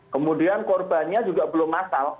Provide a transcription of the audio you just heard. kemudian korbannya juga belum masal